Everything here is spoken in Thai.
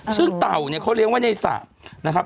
ซึ่งเต่าเนี่ยเขาเรียกว่าในศาสตร์นะครับ